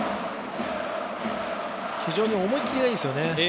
非常に思い切りがいいですよね。